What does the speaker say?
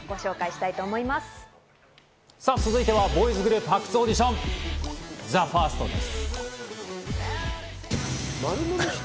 続いてはボーイズグループ発掘オーディション、ＴＨＥＦＩＲＳＴです。